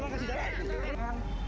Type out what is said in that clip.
tolong kasih jalan